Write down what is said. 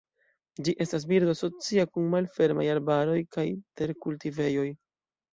Ĝi estas birdo asocia kun malfermaj arbaroj kaj terkultivejoj.